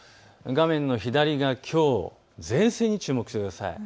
画面の左側、きょう前線に注目してください。